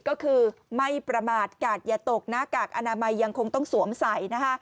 ก็คือไม่ประมาทกาดอย่าตกหน้ากากอนามัยยังคงต้องสวมใส่นะคะ